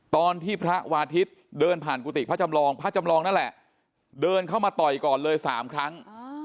ตอนที่พระวาทิศเดินผ่านกุฏิพระจำลองพระจำลองนั่นแหละเดินเข้ามาต่อยก่อนเลย๓ครั้ง